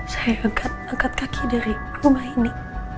saya angkat kaki dari rumah ini